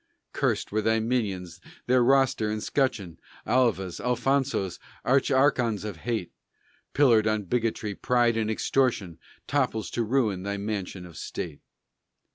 Curst were thy minions, their roster and scutcheon, Alvas, Alfonsos, Archarchons of hate; Pillared on bigotry, pride, and extortion, Topples to ruin thy mansion of state.